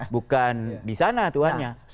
bukan di sana tuhannya